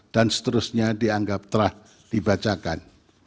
dan seterusnya dianggap telah dibacakan